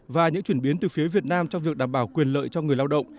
và những chuyển biến từ phía việt nam trong việc đảm bảo quyền lợi cho người lao động